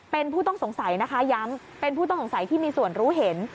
เป็นผู้ต้องสงสัยนะคะย้ำเป็นผู้ต้องสงสัยที่มีส่วนรู้เห็น